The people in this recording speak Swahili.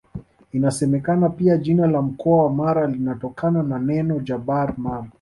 Inasemekana pia jina la mkoa wa Mara linatokana na neno Jabar Mara